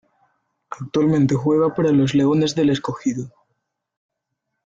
Actualmente juega para los Leones del Escogido.